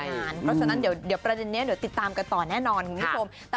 เพราะฉะนั้นเดี๋ยวประเด็นนี้เดี๋ยวติดตามกันต่อแน่นอนคุณผู้ชม